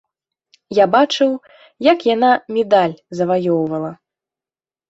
Я бачыў, як яна медаль заваёўвала.